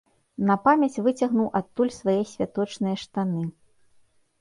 На памяць выцягнуў адтуль свае святочныя штаны.